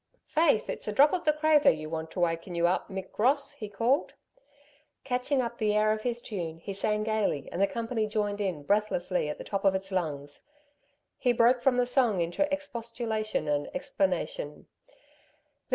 "Faith, it's a drop of the craythur you want to waken you up, Mick Ross," he called. Catching up the air of his tune, he sang gaily, and the company joined in breathlessly at the top of its lungs. He broke from the song into expostulation and explanation.